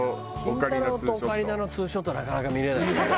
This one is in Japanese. キンタロー。とオカリナの２ショットはなかなか見れないね。